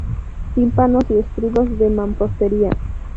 Tímpanos y estribos de mampostería.